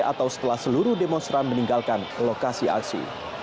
atau setelah seluruh demonstran meninggalkan lokasi aksi